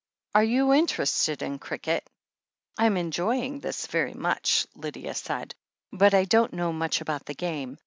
... Are you interested in cricket ?" "I'm enjoying this very much," Lydia said, "but I don't know much about the game.